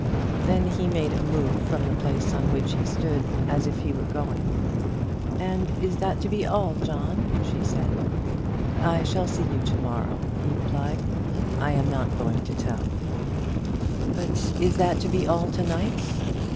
Then he made a move from the place on which he stood, as if he were going. "And is that to be all, John?" she said. "I shall see you to morrow," he replied. "I am not going to town." "But is that to be all to night?"